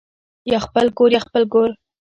یا خپل کور یا خپل ګور